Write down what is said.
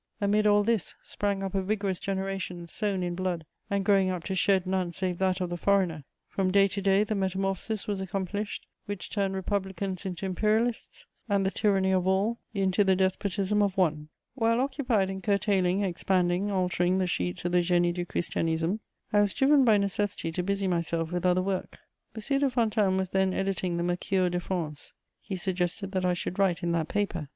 Amid all this, sprang up a vigorous generation sown in blood and growing up to shed none save that of the foreigner: from day to day, the metamorphosis was accomplished which turned Republicans into Imperialists and the tyranny of all into the despotism of one. * [Sidenote: My letter to Madame de Staël.] While occupied in curtailing, expanding, altering the sheets of the Génie du Christianisme, I was driven by necessity to busy myself with other work. M. de Fontanes was then editing the Mercure de France: he suggested that I should write in that paper.